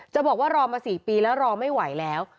บอกว่ารอมา๔ปีแล้วรอไม่ไหวแล้ว